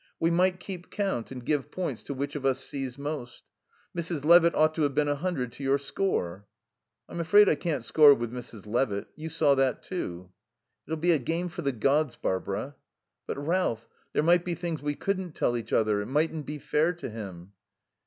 We might keep count and give points to which of us sees most. Mrs. Levitt ought to have been a hundred to your score." "I'm afraid I can't score with Mrs. Levitt. You saw that, too." "It'll be a game for gods, Barbara." "But, Ralph, there might be things we couldn't tell each other. It mightn't be fair to him."